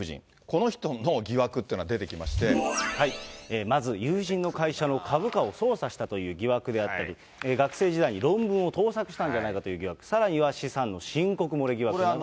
この人の疑惑っていうのが出てきまず友人の会社の株価を操作したという疑惑であったり、学生時代に論文を盗作したんじゃないかという疑惑、さらには資産の申告漏れ疑惑など。